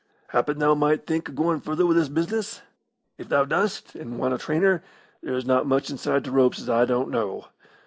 Happen thou might think o' goin' further wi' this business. If thou dost, and want a trainer, there's not much inside t' ropes as I don't know.